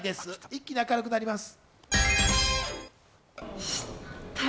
一気に明るくなります。